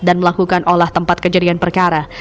melakukan olah tempat kejadian perkara